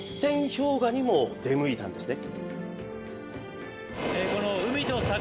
氷河にも出向いたんですね。